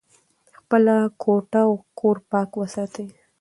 خپله کوټه او کور پاک وساتئ.